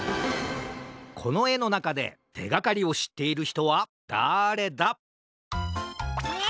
このえのなかでてがかりをしっているひとはだれだ？え！？